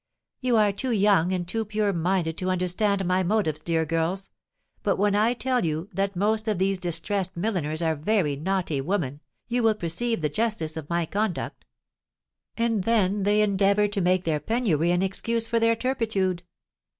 "You are too young and too pure minded to understand my motives, dear girls; but when I tell you that most of these distressed milliners are very naughty women, you will perceive the justice of my conduct. And then they endeavour to make their penury an excuse for their turpitude!